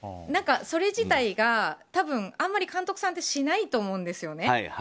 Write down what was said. それ自体が多分、あんまり監督さんってしないと思うんですね。